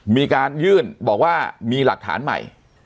มีการยื่นบอกว่ามีหลักฐานใหม่